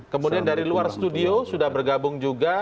kemudian dari luar studio sudah bergabung juga